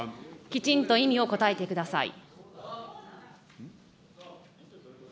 きちんと意味を答えてください。